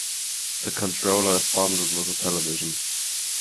The controller is bundled with the television.